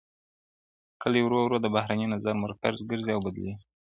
• کلي ورو ورو د بهرني نظر مرکز ګرځي او بدلېږي..